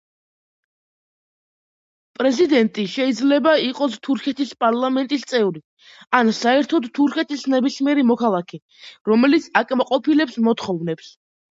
პრეზიდენტი შეიძლება იყოს თურქეთის პარლამენტის წევრი ან საერთოდ თურქეთის ნებისმიერი მოქალაქე, რომელიც აკმაყოფილებს მოთხოვნებს.